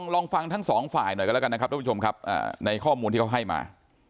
ลองฟังทั้งสองฝ่ายหน่อยกันแล้วกันนะครับทุกผู้ชมครับในข้อมูลที่เขาให้มา